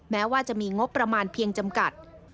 แม้ว่าจะมีงบประมาณเพียงจำกัด